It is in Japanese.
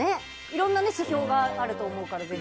いろんな指標があると思うから。